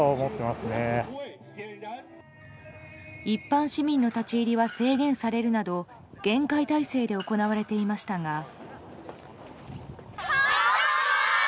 一般市民の立ち入りは制限されるなど厳戒態勢で行われていましたが。